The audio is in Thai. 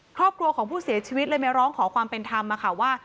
ครอบครัวของผู้เสียชีวิตเลยมาร้องขอความเป็นธรรมว่า